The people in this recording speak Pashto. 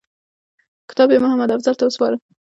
کتاب یې محمدافضل ته وسپاره.